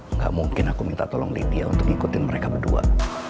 nggak mungkin aku minta tolong lydia untuk ngikutin mereka berdua